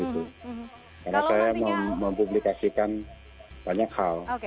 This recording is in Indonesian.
karena saya mempublikasikan banyak hal